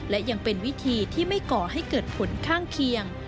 และยังเป็นวิธีที่ไม่ก่อให้เกิดผลข้างเคียง